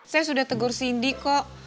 saya sudah tegur cindy kok